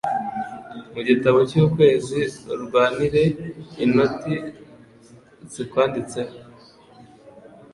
Mu gitabo cy'ukwezi urwanire inoti zikwanditse ho